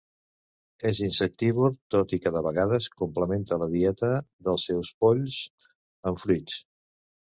És insectívor, tot i que de vegades complementa la dieta dels seus polls amb fruits.